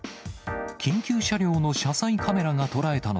緊急車両の車載カメラが捉えたの